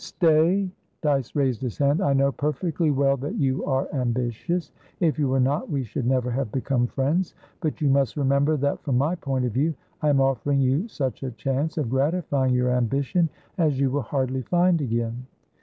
"Stay!" Dyce raised his hand. "I know perfectly well that you are ambitious. If you were not, we should never have become friends. But you must remember that, from my point of view, I am offering you such a chance of gratifying your ambition as you will hardly find again."